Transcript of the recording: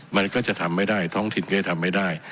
มันก็จะทำไม่ได้ท้องถิ่นก็จะทำไม่ได้